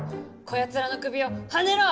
こやつらの首をはねろ！